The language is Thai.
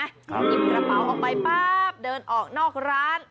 หยิบกระเป๋าออกไปป๊าบเดินออกนอกร้าน